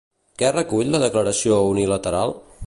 Què recull la declaració unilateral?